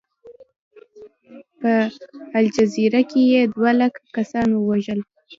په الجزایر کې یې دوه لکه کسان ووژل.